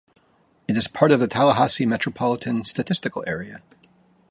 It is part of the Tallahassee Metropolitan Statistical Area.